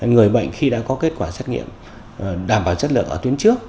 người bệnh khi đã có kết quả xét nghiệm đảm bảo chất lượng ở tuyến trước